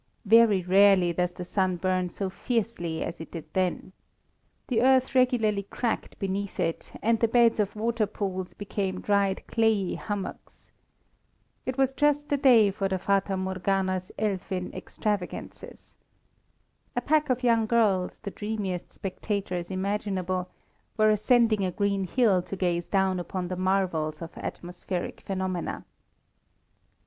Very rarely does the sun burn so fiercely as it did then. The earth regularly cracked beneath it, and the beds of waterpools became dried clayey hummocks. It was just the day for the Fata Morgana's elfin extravagances. A pack of young girls, the dreamiest spectators imaginable, were ascending a green hill to gaze down upon the marvels of atmospheric phenomena.